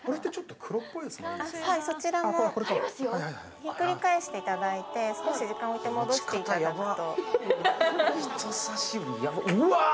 ひっくり返していただいて少し時間置いて戻していただくと。